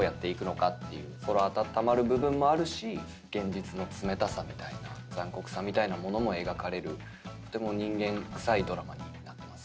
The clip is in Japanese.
心温まる部分もあるし現実の冷たさみたいな残酷さみたいなものも描かれるとても人間くさいドラマになってますね。